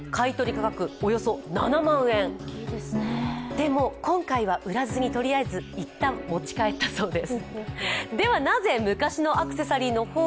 でも、今回は売らずに一旦持ち帰ったそうです。